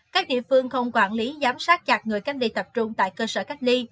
các địa phương không quản lý giám sát chặt người cách ly tập trung tại cơ sở cách ly